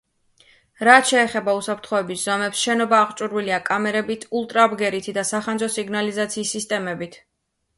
რაც შეეხება უსაფრთხოების ზომებს, შენობა აღჭურვილია კამერებით, ულტრაბგერითი და სახანძრო სიგნალიზაციის სისტემებით.